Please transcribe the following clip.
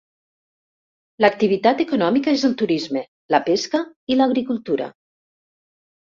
L'activitat econòmica és el turisme, la pesca i l'agricultura.